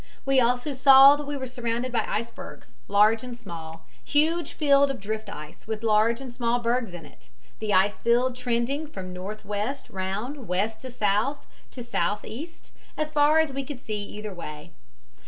We also saw that we were surrounded by icebergs, large and small, huge field of drift ice with large and small bergs in it, the ice field trending from N. W. round W. and S. to S. E., as far as we could see either way.